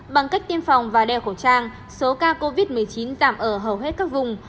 bằng cách tiêm phòng và đeo khẩu trang số ca covid một mươi chín giảm ở hầu hết các vùng